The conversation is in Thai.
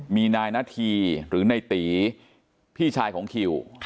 มีนายนาธีหรือในตีพี่ชายของคิว